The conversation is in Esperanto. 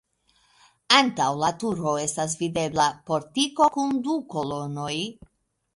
Antaŭ la turo estas videbla portiko kun du kolonoj.